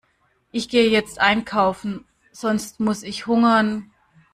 Ich gehe jetzt einkaufen, sonst muss ich hungern.